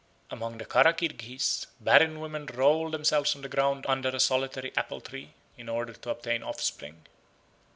Among the Kara Kirghiz barren women roll themselves on the ground under a solitary apple tree, in order to obtain offspring.